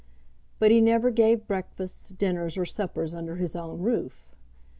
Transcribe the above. But he never gave breakfasts, dinners, or suppers under his own roof.